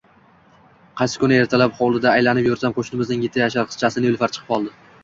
Qaysi kuni ertalab hovlida aylanib yursam, qo‘shnimizning yetti yashar qizchasi Nilufar chiqib qoldi.